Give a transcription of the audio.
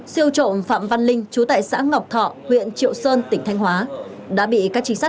siêu trộm phạm văn linh chú tại xã ngọc thọ huyện triệu sơn tỉnh thanh hóa đã bị các trinh sát